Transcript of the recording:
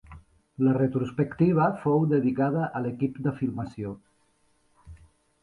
La retrospectiva fou dedicada a l'equip de filmació.